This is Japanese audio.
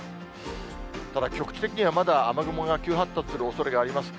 ただ、局地的にはまだ、雨雲が急発達するおそれがあります。